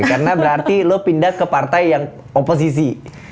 karena berarti lo pindah ke partai yang oposisi